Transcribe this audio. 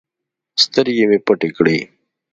سترگې مې پټې کړې.